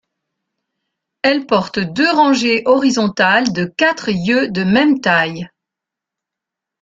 Elle porte deux rangées horizontales de quatre yeux de même taille.